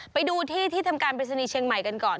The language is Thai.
ไปดูที่ที่ทำการปริศนีย์เชียงใหม่กันก่อน